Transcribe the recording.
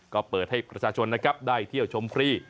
ก็เปิดให้ประชาชนนะครับได้เที่ยวชมฟรี